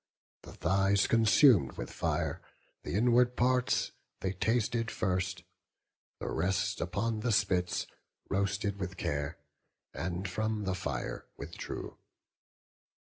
The thighs consum'd with fire, the inward parts They tasted first; the rest upon the spits Roasted with care, and from the fire withdrew.